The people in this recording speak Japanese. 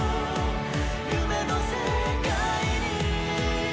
「夢の世界に」